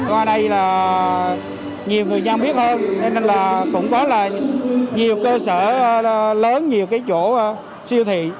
qua đây là nhiều người dân biết hơn nên là cũng có là nhiều cơ sở lớn nhiều cái chỗ siêu thị